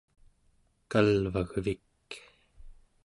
kalvagvik